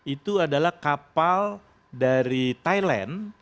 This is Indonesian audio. itu adalah kapal dari thailand